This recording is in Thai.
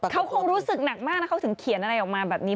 เขาคงรู้สึกหนักมากนะเขาถึงเขียนอะไรออกมาแบบนี้